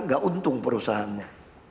gak untung perusahaannya